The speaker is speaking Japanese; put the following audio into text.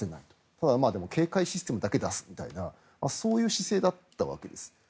ただ、警戒システムだけ出すみたいなそういう姿勢だったわけです。